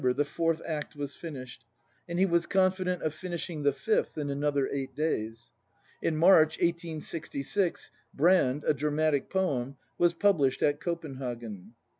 INTRODUCTION 7 the fourth act was finished, and he was confident of finish ing the fifth in another eight days. In March, 1866, Brand, " a dramatic poem," was published at Copenhagen.